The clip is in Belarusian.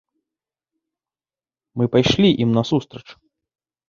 Мы пайшлі ім насустрач.